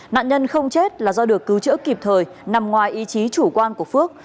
nạn nhân không chết là do được cứu chữa kịp thời nằm ngoài ý chí chủ quan của phước